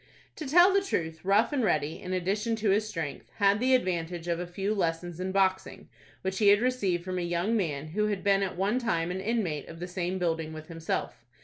To tell the truth, Rough and Ready, in addition to his strength, had the advantage of a few lessons in boxing, which he had received from a young man who had been at one time an inmate of the same building with himself.